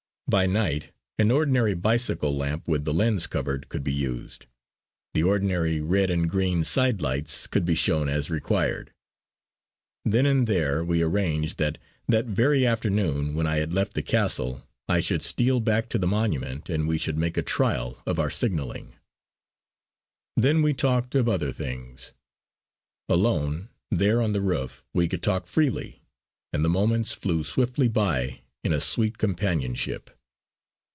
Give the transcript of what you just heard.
By night an ordinary bicycle lamp with the lens covered could be used; the ordinary red and green side lights could be shown as required. Then and there we arranged that that very afternoon when I had left the castle I should steal back to the monument and we should make a trial of our signalling. Then we talked of other things. Alone there on the roof we could talk freely; and the moments flew swiftly by in a sweet companionship.